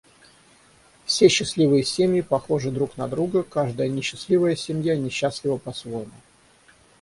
Все счастливые семьи похожи друг на друга, каждая несчастливая семья несчастлива по-своему.